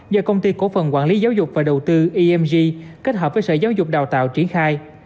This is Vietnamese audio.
do công ty cổ phần quản lý giáo dục và đầu tư eng kết hợp với sở giáo dục đào tạo triển khai